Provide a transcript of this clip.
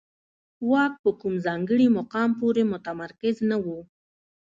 واک په کوم ځانګړي مقام پورې متمرکز نه و